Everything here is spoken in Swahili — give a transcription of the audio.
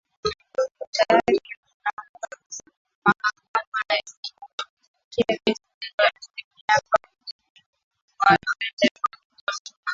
tayari mahakama inashughulikia kesi hiyo imeapa kuwataja wale wote